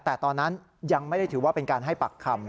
แต่ตอนนั้นยังไม่ได้ถือว่าเป็นการให้ปากคำ